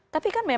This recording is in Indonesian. tapi kan memang